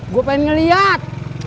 gua pengen ngeliat